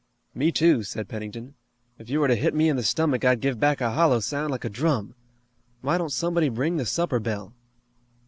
"Me, too," said Pennington. "If you were to hit me in the stomach I'd give back a hollow sound like a drum. Why don't somebody ring the supper bell?"